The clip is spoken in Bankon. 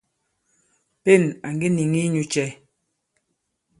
Pên à ŋge nìŋi inyū cɛ̄ ?